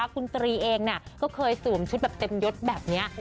คุณตรีเองก็เคยสวมชุดแบบเต็มยดแบบนี้